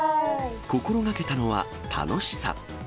心がけたのは、楽しさ。